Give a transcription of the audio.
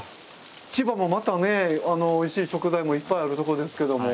千葉もまたねおいしい食材もいっぱいあるところですけども。